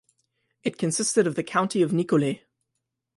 It consisted of the County of Nicolet.